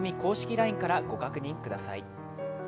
ＬＩＮＥからご確認ください。